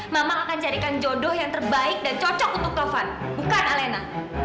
mamang akan carikan jodoh yang terbaik dan cocok untuk tovan bukan alena